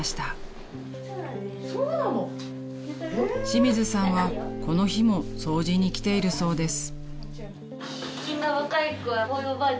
［清水さんはこの日も掃除に来ているそうです］